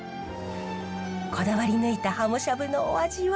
こだわり抜いたハモしゃぶのお味は？